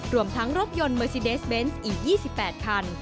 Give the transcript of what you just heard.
รวมทั้งรถยนต์เมอร์ซีเดสเบนส์อีก๒๘คัน